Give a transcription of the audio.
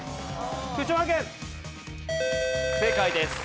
正解です。